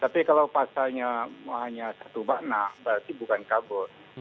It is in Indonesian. tapi kalau pasalnya hanya satu makna berarti bukan kabur